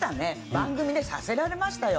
番組でさせられましたよ。